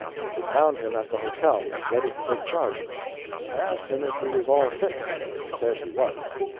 We found him at the hotel, ready to take charge of us. I asked him if he was "all fixed." He said he was.